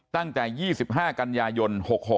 ตั้งแต่๒๕กันยายน๖๖